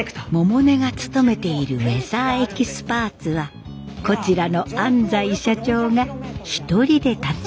百音が勤めているウェザーエキスパーツはこちらの安西社長が一人で立ち上げたのだそうです。